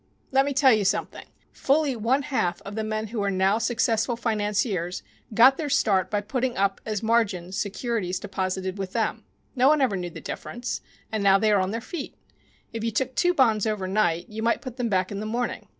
Let me tell you something. Fully one half of the men who are now successful financiers got their start by putting up as margin securities deposited with them. No one ever knew the difference, and now they are on their feet. If you took two bonds overnight you might put them back in the morning.